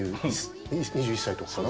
２１歳とかかな。